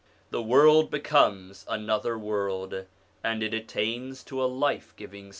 The world becomes another world, and it attains to a life giving spirit.